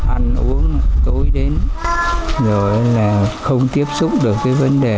ăn uống tối đến rồi là không tiếp xúc được cái vấn đề